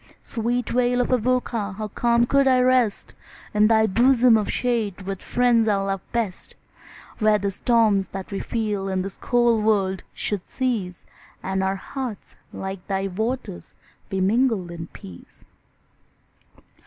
Sweet vale of Avoca! how calm could I rest In thy bosom of shade, with the friends I love best, Where the storms that we feel in this cold world should cease, And our hearts, like thy waters, be mingled in peace.